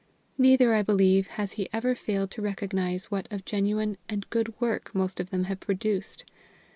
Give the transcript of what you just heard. Neither, I believe, has he ever failed to recognize what of genuine and good work most of them have produced.